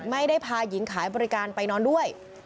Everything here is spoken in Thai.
ไม่ได้พาหญิงขายบริการไปนอนด้วย